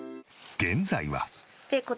現在は。